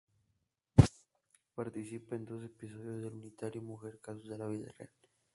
Participa en dos episodios del unitario "Mujer, casos de la vida real".